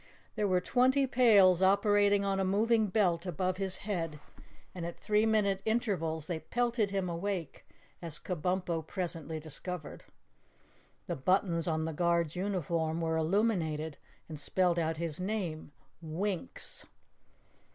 There were twenty pails operating on a moving belt above his head and at three minute intervals they pelted him awake, as Kabumpo presently discovered. The buttons on the guard's uniform were illuminated and spelled out his name, "WINKS."